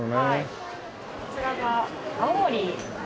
こちらが青森の。